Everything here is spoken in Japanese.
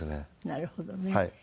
なるほどね。